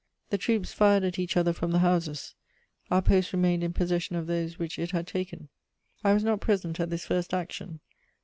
The troops fired at each other from the houses; our post remained in possession of those which it had taken. I was not present at this first action.